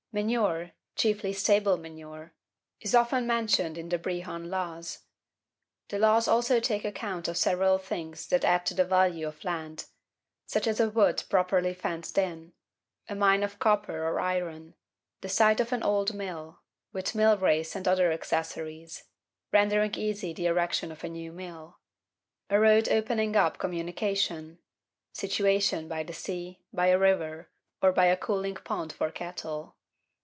Manure chiefly stable manure is often mentioned in the Brehon Laws. The laws also take account of several things that add to the value of land; such as a wood properly fenced in: a mine of copper or iron: the site of an old mill [with millrace and other accessories, rendering easy the erection of a new mill]: a road opening up communication: situation by the sea, by a river, or by a cooling pond for cattle.